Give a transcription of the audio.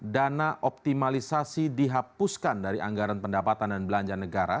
dana optimalisasi dihapuskan dari anggaran pendapatan dan belanja negara